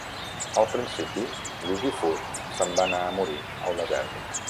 Al principi, Lusiphur se'n va anar a morir al desert.